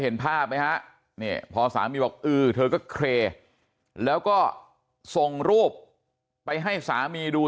เห็นภาพไหมพอสามีบอกเธอก็เคแล้วก็ส่งรูปไปให้สามีดู